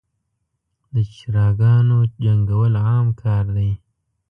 دچراګانو جنګول عام کار دی.